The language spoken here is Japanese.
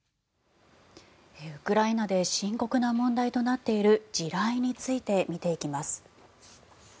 ウクライナで深刻な問題となっている地雷について見ていきます。